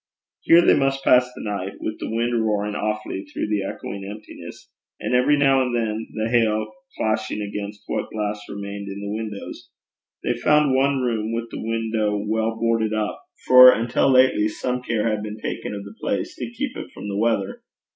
Here they must pass the night, with the wind roaring awfully through the echoing emptiness, and every now and then the hail clashing against what glass remained in the windows. They found one room with the window well boarded up, for until lately some care had been taken of the place to keep it from the weather.